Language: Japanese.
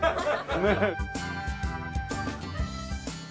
ねえ。